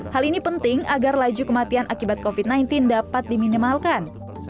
hal ini penting agar laju kematian akibat covid sembilan belas dapat diminimalkan